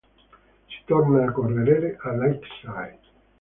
Si torna a correre a Lakeside.